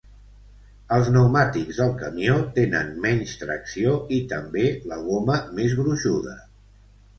Els pneumàtics del camió tenen menys tracció i també la goma més gruixuda.